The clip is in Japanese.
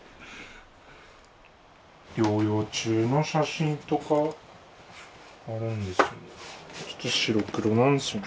療養中の写真とかあるんですよね。